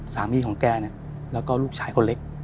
สามีของแกเนี่ยแล้วก็ลูกชายคนเล็ก